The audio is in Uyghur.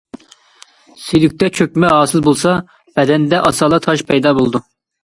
سۈيدۈكتە چۆكمە ھاسىل بولسا، بەدەندە ئاسانلا تاش پەيدا بولىدۇ.